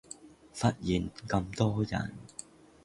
忽然咁多人